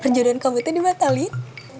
perjalanan kamu dimatahkan